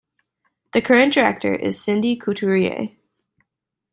The current director is Cindy Couturier.